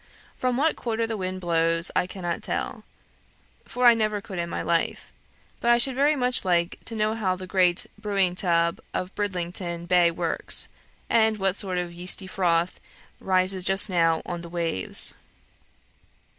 From what quarter the wind blows I cannot tell, for I never could in my life; but I should very much like to know how the great brewing tub of Bridlington Bay works, and what sort of yeasty froth rises just now on the waves.